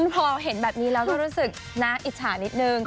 พอเห็นแบบนี้เราก็รู้สึกน่าอิจฉานิดนึงครับ